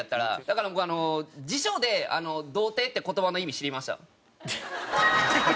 だから僕はあの辞書で「童貞」って言葉の意味知りました。